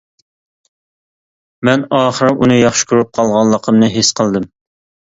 مەن ئاخىر ئۇنى ياخشى كۆرۈپ قالغانلىقىمنى ھېس قىلدىم.